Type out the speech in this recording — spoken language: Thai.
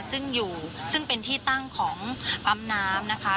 ซึ่งอยู่ซึ่งเป็นที่ตั้งของปั๊มน้ำนะคะ